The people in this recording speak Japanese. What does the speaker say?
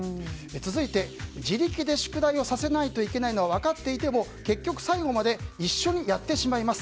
続いて、自力で宿題をさせないといけないのは分かっていても結局、最後まで一緒にやってしまいます。